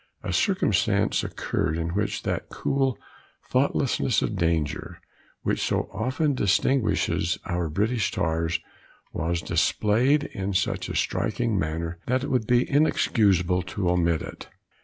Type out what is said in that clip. A circumstance occurred in which that cool thoughtlessness of danger, which so often distinguishes our British tars, was displayed in such a striking manner, that it would be inexcusable to omit it.